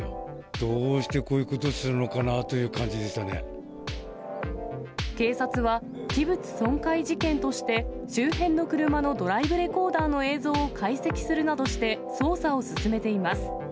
どうしてこういうことするのかな警察は、器物損壊事件として周辺の車のドライブレコーダーの映像を解析するなどして、捜査を進めています。